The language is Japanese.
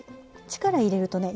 力入れるとね